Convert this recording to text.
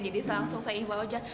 jadi langsung saya bawa jalan